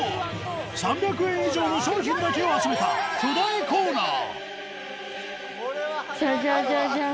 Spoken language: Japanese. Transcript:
３００円以上の商品だけを集めた巨大コーナーじゃじゃじゃじゃん！